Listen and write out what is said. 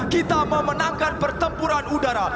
kita memenangkan pertempuran udara